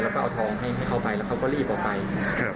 แล้วก็เอาทองให้เขาไปแล้วเขาก็รีบออกไปครับ